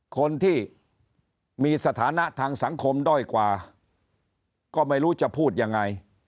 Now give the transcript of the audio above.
คนที่มีสถานะทางสังคมด้อยกว่าก็ไม่รู้จะพูดยังไง